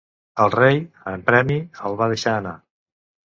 Ell rei, en premi, el va deixar anar.